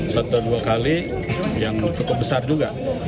satu dua kali yang cukup besar juga